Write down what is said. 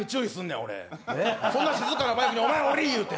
そんな静かなバイクに俺が言うて。